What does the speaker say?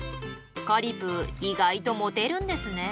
カリプー意外とモテるんですねえ。